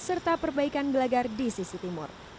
serta perbaikan gelagar di sisi timur